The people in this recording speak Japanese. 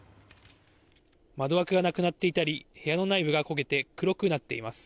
窓枠がなくなっていたり部屋の内部が焦げて黒くなっています。